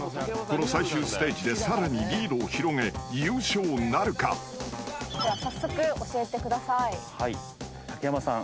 ［この最終ステージでさらにリードを広げ優勝なるか？］鍋？